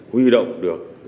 huy động được